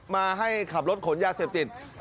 มาให้ขับรถขนยาเสพติด